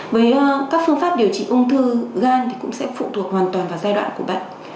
với các phương pháp điều trị ung thư gan thì cũng sẽ phụ thuộc hoàn toàn vào giai đoạn của bệnh